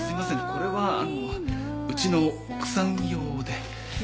これはあのうちの奥さん用で。